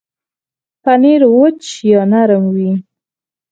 پنېر وچ یا نرم وي.